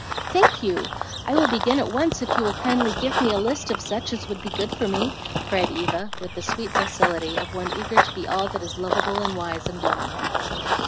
"Thank you! I will begin at once if you will kindly give me a list of such as would be good for me," cried Eva, with the sweet docility of one eager to be all that is lovable and wise in woman.